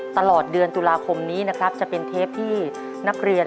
ตลอดเดือนตุลาคมนี้นะครับจะเป็นเทปที่